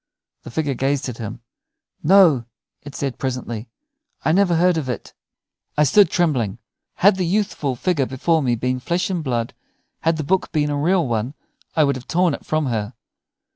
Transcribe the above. The figure gazed at him. "No," it said, presently, "I never heard of it." I stood trembling. Had the youthful figure before me been flesh and blood, had the book been a real one, I would have torn it from her.